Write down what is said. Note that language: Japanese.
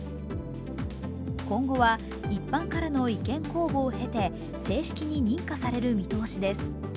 今後は、一般からの意見公募を経て正式に認可される見通しです。